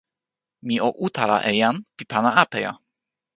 mi o utala e jan pi pana apeja!